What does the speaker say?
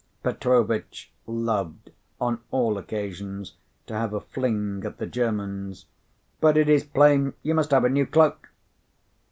Petrovitch loved, on all occasions, to have a fling at the Germans. "But it is plain you must have a new cloak."